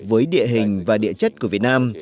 với địa hình và địa chất của việt nam